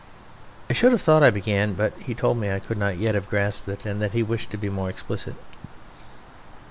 "I should have thought " I began, but he told me I could not yet have grasped it, and that he wished to be more explicit.